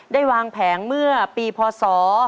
ได้วางแผงเมื่อปีพศ๒๕